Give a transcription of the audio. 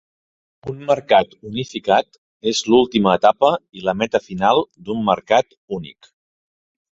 Un mercat unificat és l'última etapa i la meta final d'un mercat únic.